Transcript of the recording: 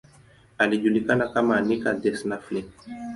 Alijulikana kama Anica the Snuffling.